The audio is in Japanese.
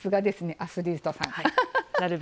アスリートさん。